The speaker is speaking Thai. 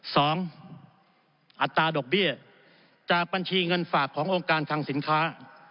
อัตราดอกเบี้ยจากบัญชีเงินฝากขององค์การคังสินค้า